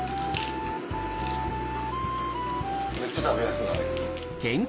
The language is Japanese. めっちゃ食べやすくない？